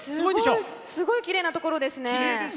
すごいきれいなところですね。